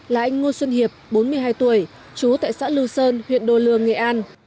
là anh ngo xuân hiệp bốn mươi hai tuổi chú tại xã lưu sơn huyện đô lương nghệ an